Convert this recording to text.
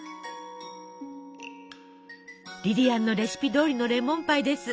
リリアンのレシピどおりのレモンパイです。